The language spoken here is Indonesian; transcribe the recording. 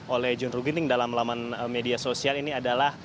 oleh john ruh ginting dalam laman media sosial ini adalah